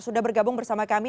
sudah bergabung bersama kami